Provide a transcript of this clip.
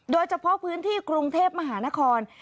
โดยเฉพาะพื้นที่กรุงเทพมหานคร